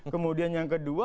kemudian yang kedua